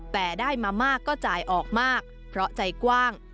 แต่ได้มามากก็จ่ายออกมากเพราะใจกว้าง